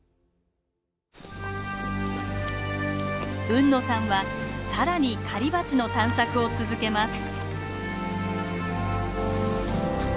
海野さんは更に狩りバチの探索を続けます。